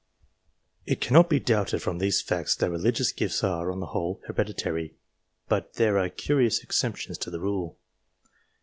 It cannot be doubted from these facts that religious gifts are, on the whole, hereditary ; but there are curious exceptions to the rule.